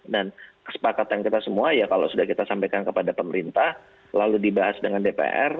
dan kesepakatan kita semua ya kalau sudah kita sampaikan kepada pemerintah lalu dibahas dengan dpr